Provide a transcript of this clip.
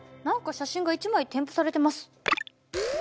何か写真が１枚添付されてます。